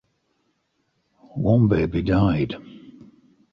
One baby died.